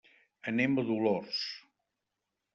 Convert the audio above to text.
Anem a Dolors.